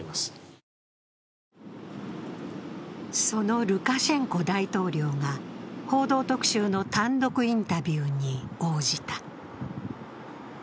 そのルカシェンコ大統領が「報道特集」の単独インタビューに応じた。